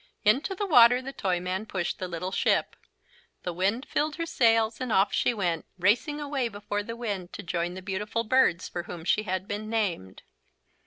Into the water the Toyman pushed the little ship. The wind filled her sails and off she went, racing away before the wind to join the beautiful birds for whom she had been named.